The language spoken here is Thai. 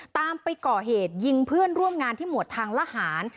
ไปก่อเหตุยิงเพื่อนร่วมงานที่หมวดทางละหาร